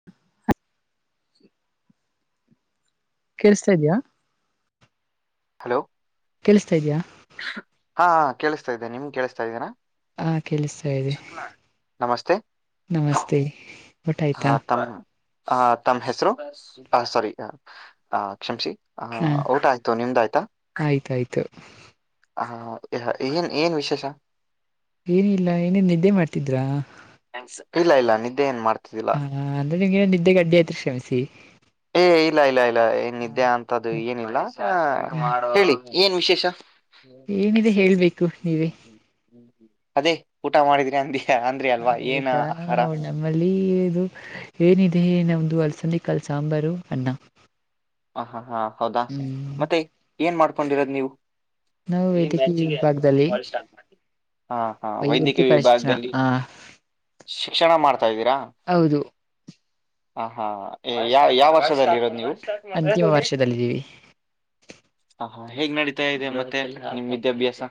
ಅ ಕೇಳಿಸ್ತಾ ಇದ್ಯಾ ಹಲೋ ಕೇಳಿಸ್ತಾ ಇದೆಯಾ ಹಾ ಹ ಕೇಳಿಸ್ತಾ ಇದೆ ನಿಮ್ಗೆ ಕೇಳಿಸ್ತಾ ಇದ್ದೇನಾ ಹಾ ಕೆಲಸ್ತಾ ಇದೆ. ನಮಸ್ತೆ ನಮಸ್ತೆ ಊಟ ಹ ಆಯ್ತಾ ತಮ್ ತಮ್ಮ್ ಹೆಸರು ಸಾರಿ ಕ್ಷಮಸಿ ಹಾ ಊಟ ಆಯ್ತು ನಿಮ್ದ ಆಯ್ತಾ ಆಯ್ತಾಯ್ತು ಹಾ ಏನ್ ಏನ್ ವಿಶೇಷ ಏನಿಲ್ಲ ಏನೇನ್ ನಿದ್ದೆ ಮಾಡ್ತಿದ್ರಾ ಇಲ್ಲ ಇಲ್ಲ ನಿದ್ದೆ ಏನ್ ಮಾಡ್ ಹಾ ಅಂದ್ರೆ ನಿಮ್ಗೆ ನಿದ್ದೆಗಡ್ಡಿಯಾತ್ ಕ್ಷಮಿಸಿ ಏ ಇಲ್ಲ ಇಲ್ಲ ಇಲ್ಲ ಆ, ಏನ್ದ್ದ್ಯಾ ಅಂತ್ದು ಏನಿಲ್ಲ ಆ, ಹೇ....................................... ಳಿ ಏನ್ ವಿಶೇಷ ಏನಿದೆ ಹ್ಮ ಹೇಳ್ಬೇಕು ನೀವೇ ಅದೇ ಊಟ ಮಾಡಿದ್ರಿ ಅಂದ ಅಂದ್ರಿ ಅಲ್ವಾ ಏನ ಊಟಾ ಅ ಆಹಾರ ನಮ್ಮಲ್ಲಿ ಇದು ಏನಿದೆ ನಮ್ದು ಅಲ್ಸಂದ ಕ ಲ್ ಸಾಂಬಾರು ಅನ್ನ ಹ ಹಾ ಹಾ ಹೌದಾ ಹ್ಮ್ ಮತ್ತೆ ಏನ್ ಮಾ ಡ್ಕೊಂಡಿರೋದು ನೀವು ನಾವು ವೈದ್ಯಕೀಯ ಮ್ಯಾಚ್ಗ ವಿಭಾಗದಲ್ಲಿ ಸ್ಟ ಮಾಡ ಹಾ ಹಾ ವೈ- ವೈದ್ಯಕೀಯ ವೃತ್ತಿಪರ ಶಿಕ್ಷಣ ವಿಭಾಗದಲ್ಲಿ ಆ ಶಿಕ್ಷಣ ಮಾಡ್ತಾ್ದೀರಾ ಹೌದು ಹಾ ಹಾ ಯ ಯಾವ ವರ್ಷ ಇರ ನೀವು ಅಂತಿಮ ವರ್ಷದಲ್ಲಿದ್ದೀವಿ ಹ ಹಾ ಹೇಗ್ ನಡೀತಾ ಇದೆ ಮತ್ತೆ ನಿಮ್ ವಿದ್ಯಾಭ್ಯಾಸ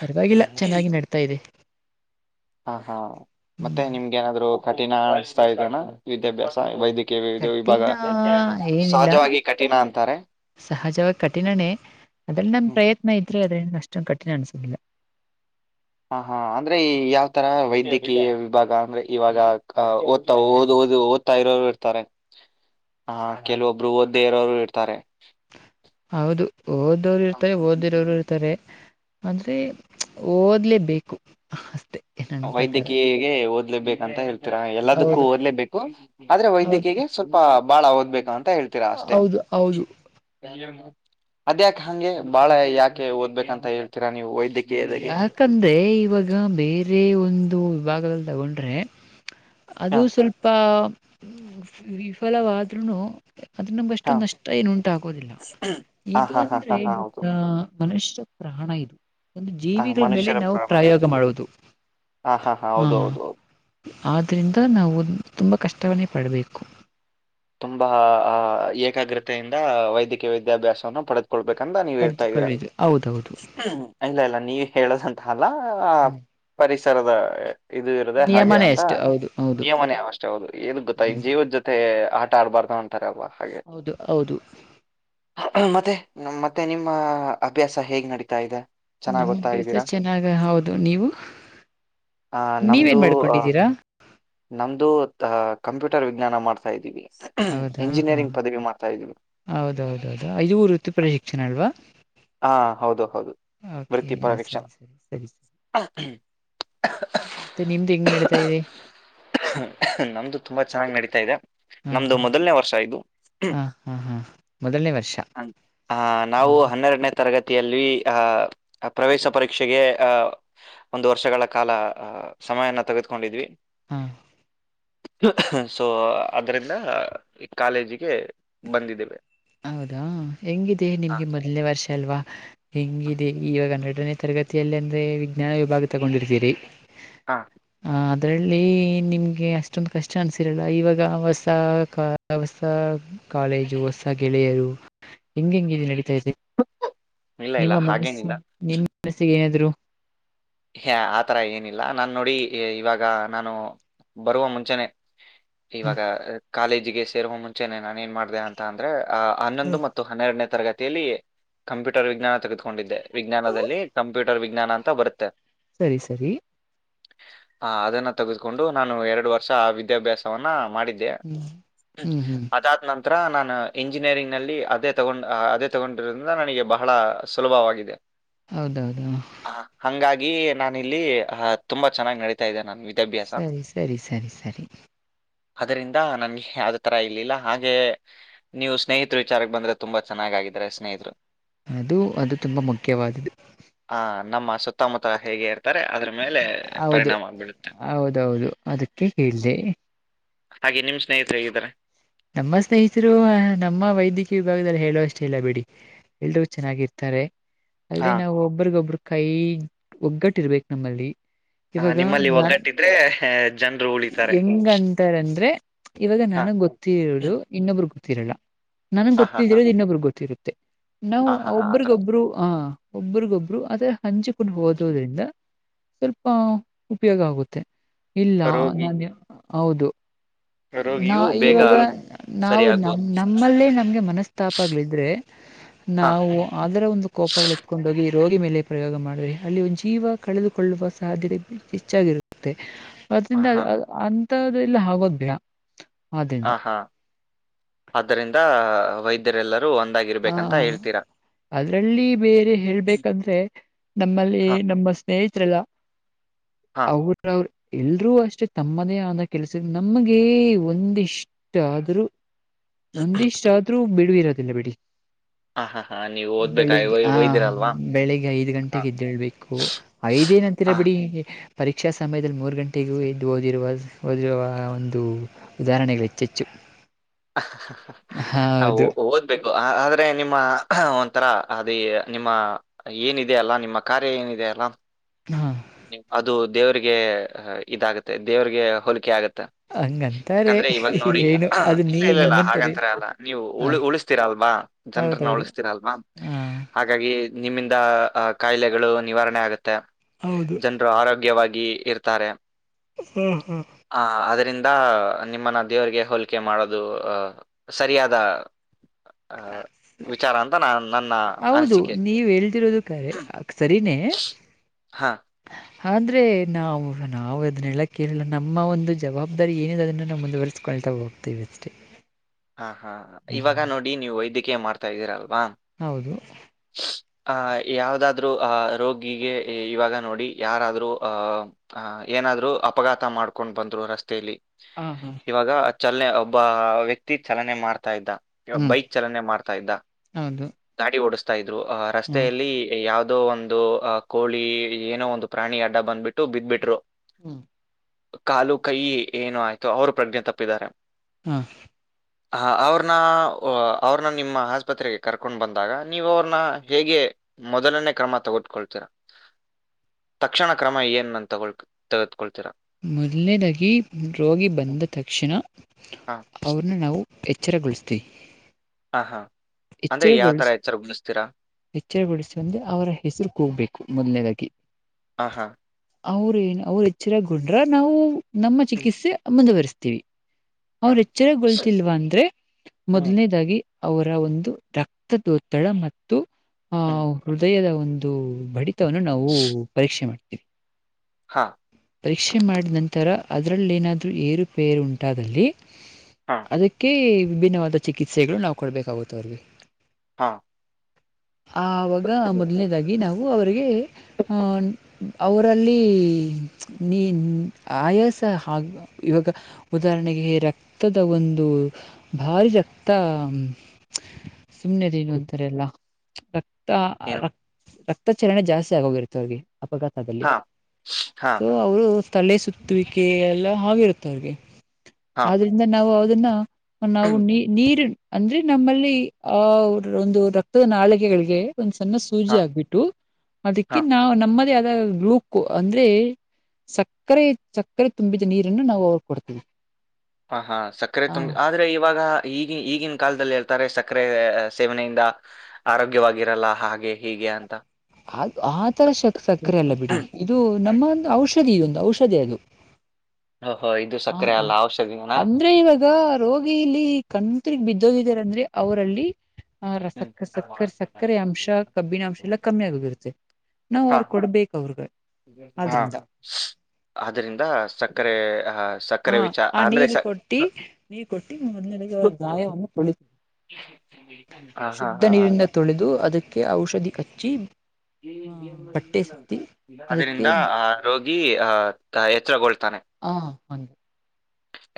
ಪರವಾಗಿಲ್ಲ ಚೆನ್ನಾಗಿ ನಡ್ತಾ ಇದೆ ಆ ಹಾ ಹಾ ಮತ್ತೆ ಹ್ಮ್ ನಿಮ್ಗೆ ಏನಾದ್ರು ಕಠಿಣ ಅಣಿಸ್ತಾ ಇದನಾ ವಿದ್ಯಾಭ್ಯಾಸ ವೈದ್ಯ ವಿಭಾಗ ಕಠಿಣ ಏನಿಲ್ಲ ಸಹಜವಾಗಿ ಕಠಿಣ ಅಂತಾರೆ ಸಹಜವಾಗಿ ಕಠಿಣವೇ ಅದ್ರಲ್ಲಿ ನಮ್ ಹ ಪ್ರಯತ್ನ ಇದ್ರೆ ಅದ್ರ ಅಷ್ಟೊಂದು ಕಠಿಣ ಅನ್ಸೋುದಿಲ್ಲ ಹ ಹಾ ಅಂದ್ರೆ ಈ ಯಾವ್ ತರ ವೈದ್ಯಕೀಯ ವಿಭಾಗ ಅಂದ್ರೆ ಇವಾಗ ಅ ಓದ್ತಾ ಓದ್ ಓದು ಓದ್ ತ ಇರೋರು ಇರ್ತಾರೆ [inaudible] ಹ ಕೆಲವೊಬ್ರು ಒದ್ದೆ ಇರೋರು ಇರ್ತಾರೆ ಹೌದು ಓದೋವರು ಇರ್ತಾರೆ ಓದಿರೋರು ಇರ್ತಾರೆ ಆದ್ರೆ ಓದ್ಲೇಬೇಕು ಅಷ್ಟೆ ನನ್ ಪ್ರಕಾರ ವೈದ್ಯಕೀಯಗೆ ಓದ್ಲೇಬೇಕಂತ ಹೇಳ್ತೀರಾ ಎಲ್ಲದಕ್ಕೂ ಹೌದು ಹೊಡ್ಲೆ ಬೇಕು ಆದ್ರೆ ಹೌದು ವೈದ್ಯಕೀಯಗೆ ಸ್ವಲ್ಪ ಸ್ಪ ಬಾಳ ಓದ್ಬೇಕ ಅಂತ ಹೇಳ್ತೀರಾ ಅಷ್ಟೇ ಹೌದು ಹೌದು ಅದ್ಯಾಕ ಹಗೆ ಬಾಳ ಯಾಕೆ ಓದ್ಬೇಕಂತ ಹೇಳ್ತೀರಾ ನೀವು ವೈದ್ಯ ಯಾಕಂದ್ರೆ ಇವಾಗ ಬೇರೆ ಒಂದು ವಿಭಾಗ ತಗೊಂಡ್ರೆ- ಅದು ಸ್ವಲ್ಪ ವಿಫಲವ- ಅದ್ರ ನಮ್ಗೆ ಹ ಹ ಅಷ್ಟೊಂದ್ ಹ ನಷ್ಟ ಏನು ಉಂಟ ಆಗೋದಿಲ್ಲ, ಇದು ಹಾ ಹಾ ಹಾ ಅಂದ್ರೆ ಹಾ ಹೌದು ಗೊತ್ತ- ಮನುಷ್ಯ ಪ್ರಾಣ ಇದು- ಒಂದು ಆ ಜೀವಿಗಳ ಮೇಲೆ ಮನುಷ್ಯರ ನಾವು ಪ್ರಾಣ ಪ್ರಾಯೋಗ ಹ ಮಾಡುವುದು ಹಾ ಹಾ ಹೌದು ಹ್ಮ್- ಹೌದು ಹೌದು ಆದ್ದರಿಂದ ನಾವು ತುಂಬ ಕಷ್ಟವನ್ನೇ ಪಡಬೇಕು- ತುಂಬಾಆ ಆ ಏಕಾಗ್ರತೆಯಿಂದ ವೈದ್ಯಕೀಯ ವಿದ್ಯಾಭ್ಯಾಸವನ್ನು ಪಡೆ- ಕೊಲ್ಲ ಬೇಕಂತ ನೀವ್ ಹೇಳ್ತಾ ಇದ್ದೀರಾ- ಪಡೆದುಕೊಳ್ಳಬೇಕು ಹೌದೌದು ್ಮ ಇಲ್ಲ ಇಲ್ಲ ನೀವ ಹೇಳದಂತ ಅಲ್ಲ ಆ ಹ್ಮ್ ಪರಿಸರದ- ಇದು ಇರದೆೇ ಹಾಗೆ ನಿಯಮನೇ ಅಂತ ಅಷ್ಟು ಹೌದು ಹೌದು ನಿಯಮನೇ ಅಷ್ಟೇ ಹೌದು ಏನ ಗೊತ್ತಾ ಎನ್ ಹ್ಮ್ ಜಿವ ಜೊತೆ ಆ- ಆಡ್ಬಾರ್ದ ಹೊಂತಾರೆ ಅ ಹಾಗೆ- ಹೌದು ಹೌದು ಮತ್ತೆ ಮತ್ತೆ ನಿಮ್ಮ ಅಭ್ಯಾಸ ಹೇಗ್ ನಡೀತಾ ಇದೆ. ಚೆನ್ನಾಗ್ ನಮ್ ಓದ್ತಾ ‌ಅಭ್ಯಾಸ ಇದ್ದೀರಾ ಚೆನ್ನಾಗ ಹೌದು- ನೀವು ಆ ನಮ್ದು ನೀವೇನ್ ಆ, ಮಾಡ್ಕೊಂಡಿದ್ದೀರಾ? ನಮ್ದು ಕಂಪ್ಯೂಟರ್ ವಿಜ್ಞಾನ ಮಾಡ್ತಾ ಇದ್ದೀವಿ ಹೌದಾ ಹಾ ಇಂಜಿನಿಯರಿಂಗ್ ಪದವಿ ಮಾಡ್ತಾ ಇದೀವಿ- ಹೌದೌದೌದು ಐದುರು ವರುತಿಪ ಪ್ರಶಿಕ್ಷಣ ಅಲ್ವಾ [inaudible] ಹಾ ಹೌದು ಹೌದು ಓಕೆ ವೃತ್ತಿ ಪರವೀಕ್ಷಣ ಸರಿ - ಸರಿ ಸರಿ ಸರಿ. ಮತ್ತೆ ನಿಮ್ದ್ ಹೆಂಗ್ ನಡಿತಾ ಇದೆ? ನಮ್ದು ತುಂಬಾ ಚೆನ್ನಾಗಿ್ ನಡೀತಾ ಇದೆ ನಮ್ದು ಹೌದಾ ಮೊದಲನೇ ವರ್ಷ ಇದು- ಹುಂ ಹಾ ಹಾ ಹಾ ಮೊದಲನೇ ವರ್ಷ ಹಾ ನಾವು- ಹನ್ನೆರಡನೇ ತರಗತಿಯಲ್ಲಿ ಅ... ಅ... ಪ್ರವೇಶ ಪರೀಕ್ಷೆಗೆ ಆ- ಒಂದು ವರ್ಷಗಳ ಕಾಲ ಅ ಸಮಯನ ತೆಗೆದುಕೊಂಡಿದ್ವಿ- ಹಾ ಸೊ ಅದ್ರಂದ ಕಾಲೇಜಿಗೆ ಬಂದಿದ್ದೇವೆ ಹೌದಾ ಹೆಂಗಿದೆ ನಿಮ್ಗೆ ಮೊದಲನೇ ವರ್ಷ ಅಲ್ವಾ ಹೆಂಗಿದೆ ಈವಾಗ ನರಡನೇ ತರಗತಿ ಅಂದ್ರೆ ವಿಜ್ಞಾನ ವಿಭಾಗ ತಗೊಂಡಿರ್ತೀರಿ ಹಾಂ ಆ ಅದರಲ್ಲಿ ನಿಮ್ಗೆ ಅಷ್ಟೊಂದು ಕಷ್ಟ ಅನ್ಸಿರಲ್ಲ ಇವಾಗ ಹೊಸ ಹೊಸ ಕಾಲೇಜು ಹೊಸ ಗೆಳೆಯರು ಹೆಂಗ ಹೆಂಗಿದ ನಡೀತಾ ಇದೆ ಇಲ್ಲ ಇಲ್ಲ ನಿಮ್ಮ ಮನಸ್ಸಿ ಹಾಗೇನಿಲ್ಲ ನಿಮ್ಮ ಮನಸ್ಸಿಗೆ ಏನಾದ್ರು ಹ ಆತರ ಏನಿಲ್ಲ ನಾನ್ ನೋಡಿ ಇವಾಗ ನಾನು ಬರುವ ಮುಂಚೆನೆ ಇವಾಗ ಕಾಲೇಜಿಗೆ ಸೇರುವ ಮುಂಚೆನೆ ನಾನು ಏನ್ ಮಾಡ್ದ ಅಂತ ಅಂದ್ರೆ ಆ ಹನ್ನೊಂದು ಹ್ಮ್ ಮ ಇ ಹನ್ನೆರಡನೇ ತರಗತಿಯಲ್ಲಿ ಕಂಪ್ಯೂಟರ್ ವಿಜ್ಞಾನ ತೆಗೆದುಕೊಂಡಿದ್ದೆ ವಿಜ್ಞಾನದಲ್ಲಿ ಕಂಪ್ಯೂಟರ್ ವಿಜ್ಞಾನ ಅಂತ ಬರುತ್ತೆ ಸರಿ ಸರಿ ಹ ಅದನ್ನ ತೆಗೆದುಕೊಂಡು ನಾನು ಎರಡು ವರ್ಷ ಆ ವಿದ್ಯಾಭ್ಯಾಸವನ್ನ ಮಾಡಿದ್ದೆ ಹ್ಮ್ ಹ್ಮ್ ಹ್ಮ್ ಅದಾದ ನಂತ ನತ್ರ ನಾನು ಇಂಜಿನಿಯರಿಂಗ್ ನಲ್ಲಿ ಅದೇ ತಗೊಂಡ್ ಅದೇ ತಗೊಂಡಿರೋದ್ರಿಂದ ನನಗೆ ಬಹಳ ಸುಲಭವಾಗಿದೆ ಹೌದೌದು ಹ ಹಂಗಾಗಿ ನಾನ ಇಲ್ಲಿ ಆ ತುಂಬಾ ಚೆನ್ನಾಗಿ್ ನಡೀತಾ ಇದ್ದೆ ನನ್ಿದ ಸರಿ ಸರಿ ಸರಿ ಸರಿ ಅದರಿಂದ ನನ್ಗೆ ಯಾವ್ದ ತರ ಇಲಿಲ್ಲ ಹಾಗೆ ನೀವು ಸ್ನೇಹಿತರ ವಿಚಾರಕ್ಕೆ ಬಂದ್ರೆ ತುಂಬಾ ಚೆನ್ನಾಗಗಿದ್ದಾರೆ ಸ್ನೇಹಿತರು ಅದು ಅದು ತುಂಬಾ ಮುಖ್ಯವಾದದುು ಹ ನಮ್ಮ ಸುತ್ತಮುತ್ತಲ ಹೇಗೆರ್ತ ಾರೆ ಅದ್ರ ಮೇಲೆ ಹೌದು ಪರಿಣಾಮ ಬೀಳುತ್ತೆ ಹೌದೌದು ಅದಕ್ಕೆ ಕೇಳ್ದೆ ಹಾಗೆ ನಿಮ್ ಸ್ನೇಹಿತರು ಹೇಗಿದ್ದಾರೆ ನಮ್ಮ ಸ್ನೇಹಿತರು ನಮ್ಮ ವೈದ್ಯಕಯ ವಿಭಾಗದಲ್ಲಿ ಹೇಳುವಷ್ಟೇ ಇಲ್ಲ ಬಿಡಿ ಎಲ್ಲೂ ಚೆನ್ನಾಗಿರ್ತಾರೆ ಅಲ್ಲದೆ ಹಾ ನಾವು ಒಬ್ರಗೊಬ್ಬ್ರ ಕೈ ಒಗ್ಗಟ್ಟರ್ಬೇಕಕ್ ನಮ್ಮಲ್ಲಿ ಆ, ಇವಾಗ ನಿಮ್ಮಲ್ಲಿ ನನ್ ಒಗ್ಗಟ್ಟಿದ್ರೆ ಜನರು ಉಳಿತಾರೆ ಹೆಂಗಂತಾರಂದ್ರೆ ಇವಾಗ ಹ ನನಗ್ ಗೊತ್ತಿರೋದು ಇನ್ನೊಬ್ರಿಗೆ ಗೊತ್ತಿರಲ್ಲ ನನಗ್ ಹ ಹ ಹ ಗೊತ್ತಿಿರೋದು ಇನ್ನೊಬ್ರ ಗೊತ್ತಿರುತ್ತೆ ನಾವು ಹ ಹ ಹ ಆತರ ಒಬ್ರಗೊಬ್ರು ಆ ಒಬ್ರಗೊಬ್ರು ಅದರ ಹಂಚಿಕೊಂಡ ಓದೋದ್ರಿಂದ ಸ್ವಲ್ಪ ಉಪಯೋಗ ಆಗುತ್ತೆ ಇಲ್ಲ ರೋಗಿ ನನ್ ಹೌದು. ರೋಗಿಯು ಬೇಗ. ಈಗ ನಾವು ಸರಿ ಆಗ್ಬೋದು ನಮ ನಮ್ಮಲ್ಲೇ ನಮ್ಗೆ ಮನಸ್ತಾಪ ಆಗ್ಲಿದ್ರೆ ಹಾ ನಾವು. ಅದರ ಒಂದು ಕೋಪಗಳ ಎತ್ಕೊಂಡೋಗಿ ಈ ರೋಗಿ ಮೇಲೆ ಪ್ರಯೋಗ ಮಾಡಿದ್ರೆ ಅಲ್ಲಿ ಒಂದು ಜೀವ ಕಳೆದುಕೊಳ್ಳುವ ಸಾಧ್ಯತೆ. ಹೆಚ್ಚಾಗಿರುತ್ತೆ ಹಾ ಅದ್ರಂದ ಹಾ ಅಂತ್ದೆಲ್ಲ ಆಗೋದು ಬೇಡ ಆದೆ. ಹಾ ಹಾ ಆದ್ದರಿಂದ ವೈದ್ಯರೆಲ್ಲರೂ ಆ ಒಂದಾಗಿರ್ಬೇಕಂತ ಹೇಳ್ತೀರಾ. ಅದ್ರಲ್ಲಿ ಬೇರೆ ಹೇಳ್ಬೇಕಂದ್ರೆ ನಮ್ಮಲ್ಲಿ ಹಾ ನಮ್ಮ ಸ್ನೇಹಿತರೆಲ್ಲ. ಹಾ ಅವ್ರ ಅವರ ಎಲ್ರೂ ಅಷ್ಟೇ ತಮ್ಮದೇ ಆದ ಕೆಲ್ಸದ ನಮಗೆ ಒಂದಿಷ್ಟ ಇಷ್ಟ ಆದ್ರೂ ಒಂದಿಷ್ಟ ಆದ್ರೂ ಬಿಡುವ ಇರೋದಿಲ್ಲ ಬಿಡಿ ಹಾಂ ಹಾಂ ಬೆಳಿಗ್ಗೆ ಆ ಬೆಳಿಗ್ಗೆ ಐದ್ ಗಂಟೆಗೆ ಏದೇಳ್ಬೇಕು ಐದೇನ್ ಅಂತೀರ ಹಾ ಬಿಡಿ. ಪರೀಕ್ಷಾ ಸಮಯದಲ್ಲಿ ಮೂರು ಗಂಟೆಗೂ ಎದ್ದು ಓದಿರುವ ಓದಿರುವ ಒಂದು ಉದಾಹರಣೆಗೆ ಹೇಚ್ಚೆಚ್ಚು ಹಾ ಓ ಓದ. ಬೇಕು ಆದ್ರೆ ನಿಮ್ಮ ಒಂಥರ ಅದೇ ನಿಮ್ಮ. ಏನಿದೆೆಯ ಅಲ್ಲಾ ನಿಮ್ಮ ಕಾರ್ಯ ಏನಿದೆ ಅಲ್ಲ. ಹಾ ನೀ ಅದು ದೇವ್ರಿಗೆ ಇದಾಗತ್ತೆ ದೇವ್ರಿಗೆ ಹೋಲಿಕೆ ಆಗತ್ತೆ. ಹಂಗಂತಾರೆ ಯಾಕಂದ್ರೆ ಇವಾಗ ನೋಡಿ ಇಲ್ಲ ಏನು ಅದು ನೀ ಇಲ್ಲ ಇಲ್ಲ ನಿಮ್ಮಂತಾರೆ ಹಾಗಂತರ ಅಲ್ಲ ನೀವು ಹ ಉಳ ಉಳಿಸತೀರಾ ಅಲ್ವಾ. ಜನರನ್ನ ಹೌದೌದು ಉಳಸ್ತೀರಲ್ವಾ ಹಾಗ. ಹಾ ಹಾಗಾಗಿ ನಿಮ್ಮಿಂದ ಅಹ್ ಕಾಯಿಲೆಗಳು ನಿವಾರಣೆ ಆಗುತ್ತೆ ಹೌದು ಜನರು ಆರೋಗ್ಯವಾಗಿ ಇರ್ತಾರೆ ಹ್ಮ್ ಹ್ಮ್ ಆ ಅದರಿಂದ ನಿಮ್ಮನ್ನ ದೇವರಿಗೆ ಹೋಲಿಕೆ ಮಾಡೋದು ಅ. ಸರಿಯಾದ ಆ ವಿಚಾರ ಅಂತ ನಾ ನನ್ನ ಹೌದು ಅನಿಸಿಕೆ. ನೀವ್ ಹೇಳ್ತಿರೋದು ಖರೆ ಅದು ಸರಿನೇ ಹಾ ಅಂದ್ರೆ ನಾವು ನಾವು ಅದನ್ನೆಲ್ಲ ಕೇಳಿಲ್ಲ ನಮ್ಮ ಒಂದು ಜವಾಬ್ದಾರಿ ಏನಿದೆ ಅದನ್ನ ನಾ ಮುಂದುವರಿಸಿ. ಕರೆಕ್ಟ್ ಆಗಿ ಓದ್ತೀವಿ ಅಷ್ಟೆ ಹಾಂ ಹಾಂ ಇವಾಗ ನೋಡಿ ನೀವು ವೈದ್ಯಕೀಯ ಮಾಡ್ತಾ ಇದ್ದೀರಲ್ವಾ. ಹೌದು ಆಹ್ ಯಾವದಾದ್ರು ಆಹ ರೋಗಿಗೆ ಇವಾಗ ನೋಡಿ ಯಾರಾದ್ರೂ ಆಹ್ ಆ ಏನಾದ್ರು ಅಪಘಾತ ಮಾಡ್ಕೊಂಡು ಬಂದ್ರು ರಸ್ತೆಯಲ್ಲಿ. ಹ ಹಾ ಆಗ ಚಲನೆ ಒಬ್ಬ ವ್ಯಕ್ತಿ ಚಲನೆ ಮಾಡ್ತಾ ಇದ್ದ. ಹ್ಮ್ ಬೈಕ್ ಚಲನೆ ಮಾಡ್ತಾ ಇದ್ದ ಹೌದು ಗಾಡಿ ಓಡಸ್ತ ಇದ್ರು ಆ ಹಾ ರಸ್ತೆಯಲ್ಲಿ ಯಾವ್ದ. ಇದು ಒಂದು ಆ ಕೋಳಿ ಏನೋ ಒಂದು ಪ್ರಾಣಿ ಅಡ್ಡ ಬಂದ್ಬಿಟ್ಟು ಬಿದ್ದ್ಬಿಟ್ರು. ಹ್ಮ್ ಕಾಲು ಕೈ ಏನು ಆಯ್ತು ಅವರು ಪ್ರಜ್ಞೆ ತಪ್ಪಿದ್ದಾರೆ. ಹಾಂ ಹಾ ಅವ್ರನ್ನ ಅವ್ರನ್ನ ನಿಮ್ಮ ಆಸ್ಪತ್ರೆಗೆ ಕರ್ಕೊಂಡು ಬಂದಾಗ ನೀವು ಅವ್ರನ್ನ ಹೇಗೆ. ಮೊದಲನೇ ಕ್ರಮ ತಗದುಕೊಳ್ತೀರಾ. ತಕ್ಷಣ ಕ್ರಮ ಏನು ನನ್ನ ತಗೊಳ್ ತೆಗೆದುಕೊಳ್ತೀರಾ. ಮೊದಲನೇದಾಗಿ ರೋಗಿ ಹ್ಮ್. ಬಂದ ತಕ್ಷಣ ಹಾ ಅವ್ರನ್ನ ನಾವು ಎಚ್ಚರಗೊಳಿಸ್ತೀವಿ. ಹ ಹಾ ಅಂದ್ರೆ ಯಾವ ತರ ಎಚ್ಚರ ಗೋಳಸ್ತೀವಿ ಎಚ್ಚರಗೊಳಿಸುವಂದೆ ಅವರ ಹೆಸರು ಕೂಗಬೇಕು ಮೊದಲನೇಯದಾಗಿ ಹಾ ಹಾ ಅವ್ರ ಏನ್ ಅವ್ರ ಎಚ್ಚರ ಗೊಂಡ್ರ ನಾವು ನಮ್ಮ ಹ್ಮ್ ಚಿಕಿತ್ಸೆ ಮುಂದುವರಿಸ್ತೀವಿ. ಹಾ ಅವ್ರ ಎಚ್ಚರ ಸ್- ಗೊಳ್ತಿಲ್ವಾ ಅಂದ್ರೆ ಹ್ಮ್ ಮೊದನೇದಾಗಿ ಅವರು ಅವರ ಒಂದು ರಕ್ತದೊತ್ತಡ ಮತ್ತು ಆ ಹ್ಮ್ ಹೃದಯದ ಒಂದು ಬಡಿ ಬಡಿತವನ್ನು ನಾವು ಪರೀಕ್ಷೆ ಮಾಡ್ತೀವಿ ಹಾ ಪರೀಕ್ಷೆ ಮಾಡಿದ ನಂತ ತರ ಅದ್ರಲ್ಲಿ ಏನಾದರೂ ಏರು ಪೇರು ಉಂಟಾದಲ್ಲಿ ಹಾ ಅದಕ್ಕೆ ವಿಭಿನ್ನವಾದ ಚಿಕಿತ್ಸೆಗಳು ನಾವು ಕೊಡ್ಬೇಕಾಗುತ್ತೆ ಅವ್ರಿಗೆ ಹಾಂ ಆ ಆವಾಗ ಮೊದಲನೇದಾಗಿ ನಾವು ಅವರಿಗೆ ಆ ಅವರಲ್ಲಿ ನೀ ಆಯಾಸ ಹಾಗ ಇವಾಗ ಉದಾಹರಣೆಗೆ ರಕ್ತದ ಒಂದು ಭಾರಿ ರಕ್ತ ಸುಮ್ಮ್ನೆದ ಏನು ಅಂತಾರೆ ಎಲ್ಲ ರಕ್ತ ಏನು ರ ರಕ್ತ ಚಲರಣೆ ಜಾಸ್ತಿ ಆಗೋಗಿರುತ್ತೆ ಅವರಿಗೆ ಅಪಘಾತದಲ್ಲಿ. ಹಾ ಹಾ ಅವರು ತಲೆ ಸುತ್ತುವಿಕೆ ಎಲ್ಲ ಆಗಿರುತ್ತೆ ಅವ್ರಿಗೆ ಹಾ ಆದ್ರಿಂದ ನಾವು ಅದನ್ನ ನಾವು ಹ್ಮ್, ನೀ ನೀರು ಅಂದ್ರೆ ನಮ್ಮಲ್ಲಿ ಆ ಒಂದು ರಕ್ತದ ನಾಳೆಗೆೆಗಳಿಗೆ ಒಂದ್ ಸಣ್ಣ ಸೂಜಿ ಹಾ ಆಗ್ಬಿಟ್ಟು ಹಾ ಅದಕಿ ನಾವು ನಮ್ಮದೇ ಆದ ರೂಕ್ ಅಂದ್ರೆ ಸಕ್ಕರೆ ಸಕ್ಕರೆ ತುಂಬಿದ ನೀರನ್ನು ನಾವು ಕೊಡ್ತೀವಿ ಹಾಂ ಹಾ ಸಕ್ಕರೆ ತುಂಬ ಆ ಆದ್ರೆ ಇವಾಗ ಈಗಿನ ಈಗಿನ ಕಾಲದಲ್ಲಿ ಹೇಳ್ತಾರೆ ಸಕ್ಕರೆ ಸೇವನೆಯಿಂದ ಆರೋಗ್ಯವಾಗಿರಲ್ಲ ಹಾಗೆ ಹೀಗೆ ಅಂತ ಅದು ಆತರ ಸಕ್ಕರೆ ಅಲ್ಲ ಬಿಡಿ ಇದು ನಮ್ಮ ಒಂದು ಔಷಧಿ ಇದೊಂದು ಔಷಧಿ ಅದು ಹ ಹ ಇದು ಹ ಸಕ್ಕರೆ ಹ ಅಲ್ಲ ಔಷಧಿನಾ ಅಂದ್ರೆ ಇವಾಗ ರೋಗಿಲ್ಲಿ ಕಂತ್ರಿ ಬಿದ್ದೋಗಿದಾರ ಅಂದ್ರೆ ಅವರಲ್ಲಿ ಆ ಹ್ಮ್ ಸಕ್ಕರ್ ಸಕ್ಕರೆ ಸಕ್ಕರೆ ಅಂಶ ಕಬ್ಬಿಣ ಅಂಶ ಎಲ್ಲ ಕಮ್ಮಿ ಆಗಹೋಗಿರುತ್ತೆ. ನಾವ್ ಅವ್ರ ಕೊಡ್ಬೇಕ ಅವ್ರಗ ಹ ಆದರಿಂದ ಸಕ್ಕರೆ ಹ ಸಕ್ಕರೆ ವಿಚ ಆ ಅಂದ್ರೆ ನೀರ್ ಸ ಕೊಟ್ಟಿ ನೀರ್ ಕೊಟ್ಟಿ ಮೊದಲನೆಯದಾಗಿ ಅವ ಗಾಯವನ್ನು ತೊಳಿ ಹ ಹಾ ಶುದ್ಧ ಹಾ ನೀರಿಂದ ತೊಳೆದು ಅದಕ್ಕೆ ಔಷಧಿ ಹಚ್ಚಿ. ಆ ಬಟ್ಟೆ ಸುತ್ತಿ ಅದಕ್ಕೆ ಅದರಿಂದ ಆ ರೋಗಿ ಆಹ ತಾ ಎಚ್ಚರಗೊಳ್ತಾನೆ. ಹಾ ಹ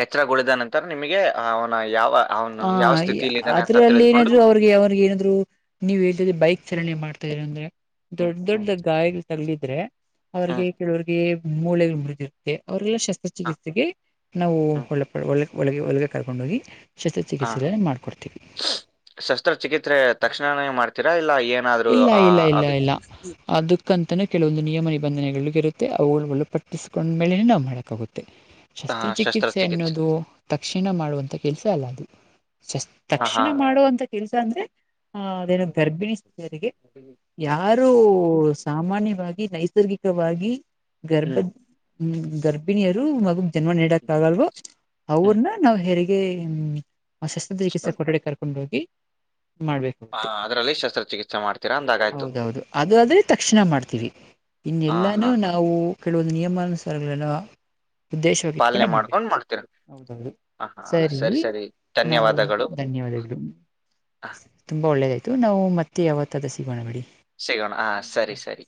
ಎಚ್ಚರ ಗುಳಿದ ನಂತರ ನಿಮಗೆ ಅವನ ಯಾವ ಅವನು ಹ ಯಾವ ಸ್ಥಿತಿಯಲ್ಲಿದ್ದಾನೆ ಅಂತ ಅದ್ರಲ್ಲಿ ತಿಳಿದುಕೊಂಡು ಏನಾದ್ರು ಅವ್ರಿಗೆ ಅವ್ರಿಗೆ ಏನಾದ್ರು ನೀವು [unintelligible] ಬೈಕ್ ಚಲನೆ ಮಾಡ್ತಾ ಇದೀರ ಅಂದ್ರೆ ಹ್ಮ್ ದೊಡ್ಡ ಹ್ಮ್ ದೊಡ್ಡ ಗಾಯ ತಗಲಿದ್ರೆ ಅವ್ರಿಗೆ ಹ್ಮ್ ಕೆಲವರಿಗೆ ಮೂಳೆ ಮುರಿದಿದ್ರೆ ಅವ್ರಲ್ಲ ಹ್ಮ್ ಶಸ್ತ್ರಚಿಕಿತ್ಸೆಗೆ ನಾವು ಹ್ಮ್ ಒಳ್ಳೆಪ ಒ ಒಳಗೆ ಒಳಗೆ ಕರ್ಕೊಂಡ ಹೋಗಿ. ಶಸ್ತ್ರಚಿಕಿತ್ಸೆಗಳನ್ನು ಮಾಡ್ಕೊಡ್ತೀವಿ ಶಸ್ತ್ರ ಚಿಕಿತ್ಸೆ ತಕ್ಷಣನೇ ಮಾಡ್ತೀರಾ ಇಲ್ಲ ಏನಾದ್ರು ಆ ಆ ವ್ಯಕ್ತ ಕ್ಕಂತನ ಕೆಲವೊಂದು ನಿಯಮ ನಿಬಂಧನೆಗಳಗ ಇರುತ್ತೆ ಅವುಗಳು ಪಟ್ಟಿಸ್ಕೊಂಡ್ ಮೇಲೆನೆ ನಾ್ ಮಾಡಕಾಗುತ್ತೆ ಶಸ್ತ್ರಚಿಕಿತ್ಸೆ ಅನ್ನೋದು ತಕ್ಷಣ ಮಾಡುವಂಥ ಕೆಲ್ಸ ಅಲ್ಲ ಅದು ಹ ತಕ್ಷಣ ಹಾ ಮಾಡುವಂತ ಕೆಲ್ಸ ಅಂದ್ರೆ ಆ ಅದೇನ ಗರ್ಭಿಣಿಸರಿಗೆ ಯಾರು ಸಾಮಾನ್ಯವಾಗಿ ನೈಸರ್ಗಿಕವಾಗಿ ಗರ್ಭ ಹ್ಮ್ ಹ್ಮ್ ಗರ್ಭಿಣಿಯರು ಮಗಗ್ ಜನ್ಮ ನೀಡಕ್ ಆಗಲ್ವ ಹ್ಮ್ ಅವ್ರನ್ನ ನಾವ್ ಹೇಗೆ ಹ ಶಸ್ತ್ರ ಚಿಕಿತ್ಸೆ ಕೊಠಡಿ ಕರ್ಕೊಂಡು ಹೋಗಿ ಮಾಡ್ಬೇಕು ಹಾ ಅದ್ರಲ್ಲಿಷ್ಟಸ್ತ್ರ ಚಿಕಿತ್ಸ ಮಾಡ್ತಾರೆ ಹೌದೌದು ಅದು ಆದ್ರೆ ತಕ್ಷಣ ಮಾಡ್ತೀವಿ ಹ ಇನ್ನೆಲ್ಲಾನೂ ಹಾ ನಾವು ಕೆಲವೊಂದು ನಿಯಮಾನುಸಾರಗಳನ್ನು ಉದ್ದೇಶವಾಗಿ ಪಾಲನೆ ಇಟ್ಟಕೊಂಡೆ ಮಾಡ್ಬೇಕು ಮಾಡ್ಕೊಂಡ್ ಮಾಡ್ತೀರ ಹೌದೌದು ಹ ಹಾ ಸರಿ ನಾವು ಧನ್ಯವಾದಗಳು ಧನ್ಯವಾದಗಳು ಆ, ತುಂಬಾ ಒಳ್ಳೇದಾಯ್ತು ನಾವು ಮತ್ತೆ ಯಾವತ್ತಾದ ಸಿಗೋಣ ಬಿೇಡಿ ಸಿಗೋಣ ಹಾಂ ಸರಿ ಸರಿ